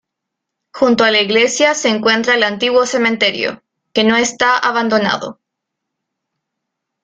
Junto a la iglesia se encuentra el antiguo cementerio, que no está abandonado.